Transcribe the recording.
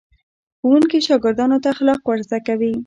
ښوونکي شاګردانو ته اخلاق ور زده کوي.